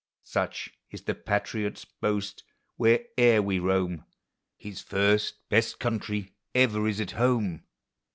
Such is the patriot's boast, where'er we roam, 11 is first, best country, ever is at home.